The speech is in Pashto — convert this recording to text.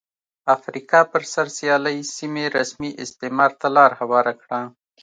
افریقا پر سر سیالۍ سیمې رسمي استعمار ته لار هواره کړه.